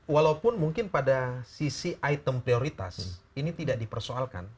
walaupun mungkin pada sisi item prioritas ini tidak dipersoalkan